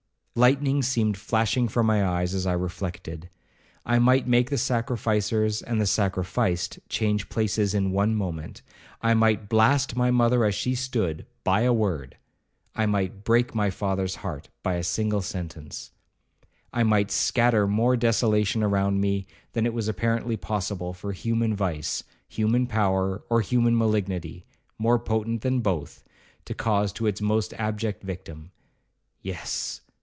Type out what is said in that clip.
Lightning seemed flashing from my eyes as I reflected,—I might make the sacrificers and the sacrificed change places in one moment,—I might blast my mother as she stood, by a word,—I might break my father's heart, by a single sentence,—I might scatter more desolation around me, than it was apparently possible for human vice, human power, or human malignity, more potent than both, to cause to its most abject victim.—Yes!